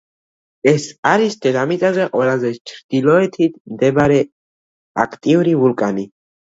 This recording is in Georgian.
ეს არის დედამიწაზე ყველაზე ჩრდილოეთით მდებარე აქტიური ვულკანი.